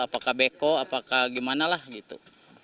apakah beko apakah gimana lah gitu